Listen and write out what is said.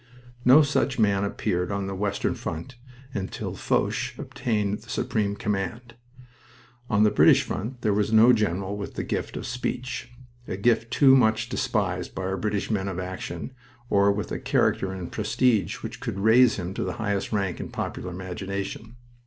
No such man appeared on the western front until Foch obtained the supreme command. On the British front there was no general with the gift of speech a gift too much despised by our British men of action or with a character and prestige which could raise him to the highest rank in popular imagination.